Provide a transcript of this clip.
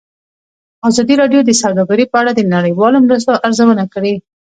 ازادي راډیو د سوداګري په اړه د نړیوالو مرستو ارزونه کړې.